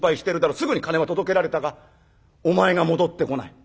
すぐに金は届けられたがお前が戻ってこない。